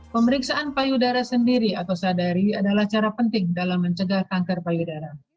pemeriksaan payudara sendiri atau sadari adalah cara penting dalam mencegah kanker payudara